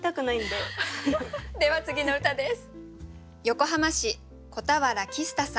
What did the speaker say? では次の歌です。